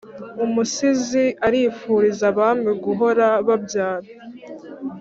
umusizi arifuriza abami guhora babyara